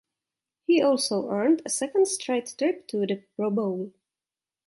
He also earned a second straight trip to the Pro Bowl.